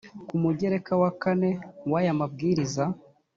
ku mugereka wa kane w aya mabwiriza